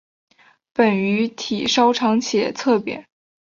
本鱼体稍长且侧扁。